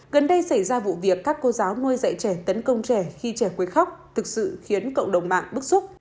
gần đây xảy ra vụ việc các cô giáo nuôi dạy trẻ tấn công trẻ khi trẻ quê khóc thực sự khiến cộng đồng mạng bức xúc